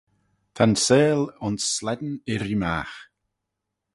Ta'n seihll ayns slane irree-magh.